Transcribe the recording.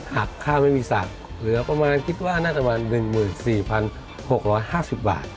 หักข้าวไม่มีสัตว์เหลือประมาณคิดว่าน่าจะประมาณ๑๔๖๕๐บาท